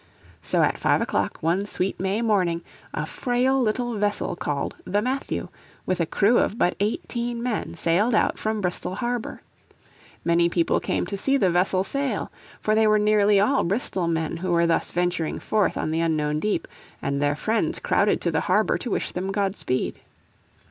So at five o'clock one sweet May morning a frail little vessel called the Matthew, with a crew of but eighteen men, sailed out from Bristol harbour. Many people came to see the vessel sail. For they were nearly all Bristol men who were thus venturing forth on the unknown deep, and their friends crowded to the harbour to wish them godspeed.